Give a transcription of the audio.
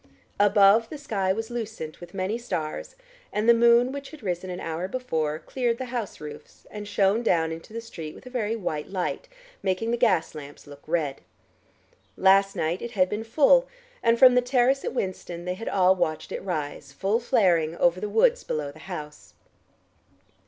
Above the sky was lucent with many stars, and the moon which had risen an hour before, cleared the house roofs and shone down into the street with a very white light, making the gas lamps look red. Last night it had been full, and from the terrace at Winston they had all watched it rise, full flaring, over the woods below the house.